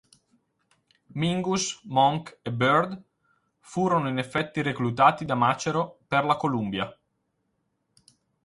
Mingus, Monk, e Byrd furono in effetti reclutati da Macero per la Columbia.